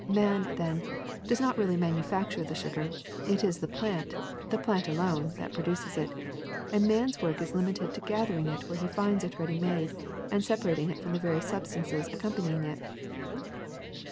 Man, then, does not really manufacture the sugar ; it is the plant, the plant alone, that produces it, and man's work is limited to gathering it where he finds it ready made and separating it from the various substances ac companying it.